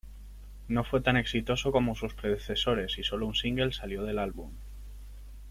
No fue tan exitoso como sus predecesores y solo un single salió del álbum.